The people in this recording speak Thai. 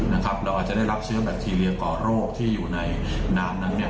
เราอาจจะได้รับเชื้อแบคทีเรียก่อโรคที่อยู่ในน้ำนั้น